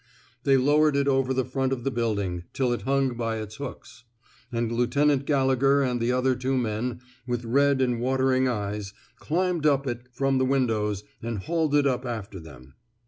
They lowered it over the front of the building till it hung by its hooks ; and Lieutenant Gallegher and the other two men, with red and watering eyes, climbed up it from the windows and hauled it up after them.